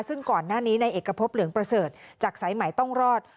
ซึ่งก่อนหน้านี้ในเอกพบเหลืองประเสริฐจากสายใหม่ต้องรอด